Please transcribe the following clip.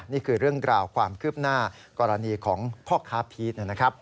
นี่คือเรื่องราวความคืบหน้ากรณีของพ่อค้าพีชนะครับ